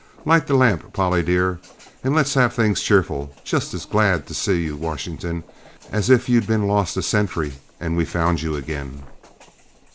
Light the lamp, Polly, dear, and let's have things cheerful just as glad to see you, Washington, as if you'd been lost a century and we'd found you again!"